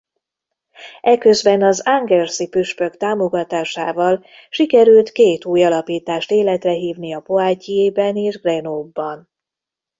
Eközben az angers-i püspök támogatásával sikerült két új alapítást életre hívnia Poitiers-ban és Grenoble-ban.